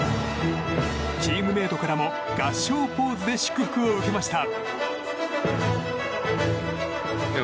チームメートからも合掌ポーズで祝福を受けました。